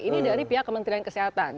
ini dari pihak kementerian kesehatan